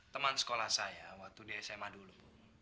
teman sekolah saya waktu di sma dulu